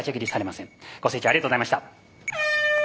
ご静聴ありがとうございました。